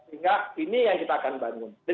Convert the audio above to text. sehingga ini yang kita akan bangun